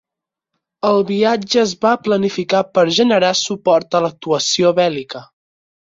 El viatge es va planificar per generar suport a l'actuació bèl·lica.